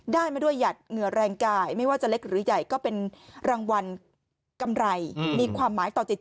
ดอม๙อะไรสักอย่าง๙๕อะไรมั้ย